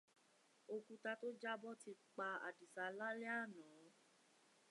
Òkúta tó jábọ́ ti pa Àdìsá lálé àná.